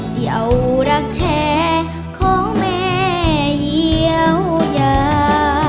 จะเอารักแท้ของแม่เยียวยา